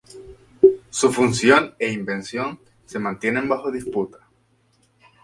Su función e invención se mantienen bajo disputa.